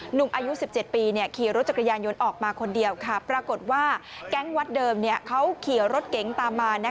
หนุ่มอายุ๑๗ปีขี่รถจักรยานยนต์ออกมาคนเดียวปรากฏว่าแก๊งวัดเดิมเขาขี่รถเก๋งตามมา